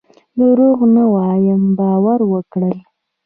دروغ نه وایم باور وکړئ.